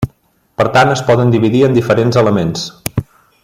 Per tant, es poden dividir en diferents elements.